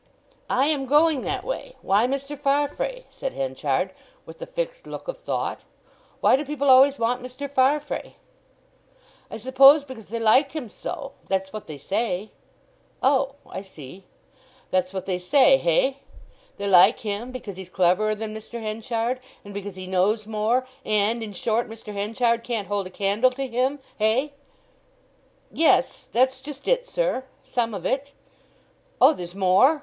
"I am going that way.... Why Mr. Farfrae?" said Henchard, with the fixed look of thought. "Why do people always want Mr. Farfrae?" "I suppose because they like him so—that's what they say." "Oh—I see—that's what they say—hey? They like him because he's cleverer than Mr. Henchard, and because he knows more; and, in short, Mr. Henchard can't hold a candle to him—hey?" "Yes—that's just it, sir—some of it." "Oh, there's more?